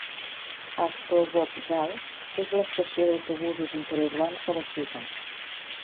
Avtovokzal és l'estació d'autobusos interurbans de la ciutat.